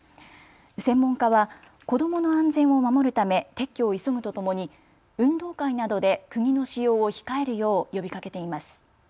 専門家は子どもの安全を守るため撤去を急ぐとともに運動会などでくぎの使用を控えるよう呼びかけています。